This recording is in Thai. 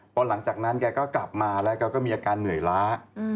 พอหลังจากนั้นแกก็กลับมาแล้วแกก็มีอาการเหนื่อยล้า